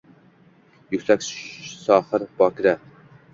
Yuksak, sohir, bokira.